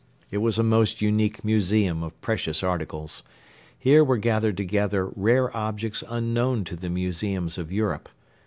It was a most unique museum of precious articles. Here were gathered together rare objects unknown to the museums of Europe.